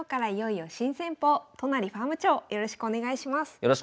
よろしくお願いします。